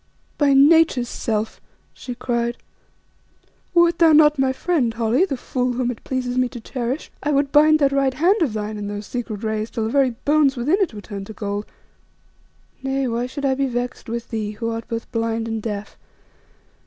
"By Nature's self!" she cried; "wert thou not my friend, Holly, the fool whom it pleases me to cherish, I would bind that right hand of thine in those secret rays till the very bones within it were turned to gold. Nay, why should I be vexed with thee, who art both blind and deaf?